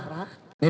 ini pengganti idris